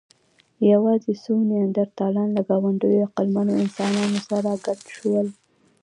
یواځې څو نیاندرتالان له ګاونډيو عقلمنو انسانانو سره ګډ شول.